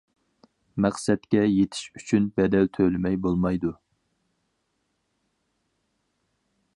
مەقسەتكە يېتىش ئۈچۈن بەدەل تۆلىمەي بولمايدۇ.